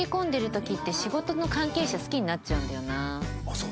そう？